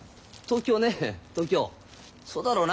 そうだろうな。